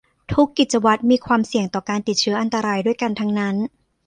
ทุกกิจวัตรมีความเสี่ยงต่อการติดเชื้ออันตรายด้วยกันทั้งนั้น